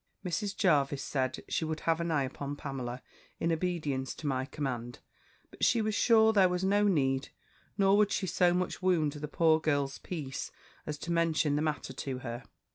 "Mrs. Jervis said, she would have an eye upon Pamela, in obedience to my command, but she was sure there was no need; nor would she so much wound the poor child's peace, as to mention the matter to her.